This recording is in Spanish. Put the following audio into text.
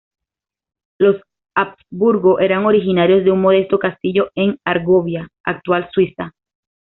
Los Habsburgo eran originarios de un modesto castillo en Argovia, actual Suiza.